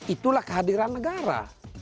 itulah kehadiran negara